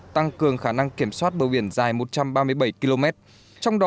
tăng cường khả năng